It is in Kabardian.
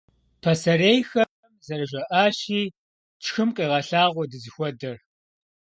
Пасэрейхэм зэрыжаӀащи, «тшхым къегъэлъагъуэ дызыхуэдэр».